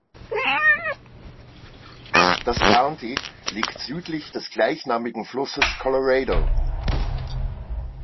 Das County liegt südlich des gleichnamigen Flusses Colorado.